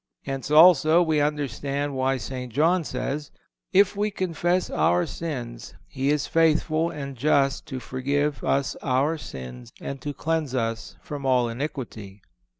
Hence, also, we understand why St. John says: "If we confess our sins, He is faithful and just to forgive us our sins and to cleanse us from all iniquity."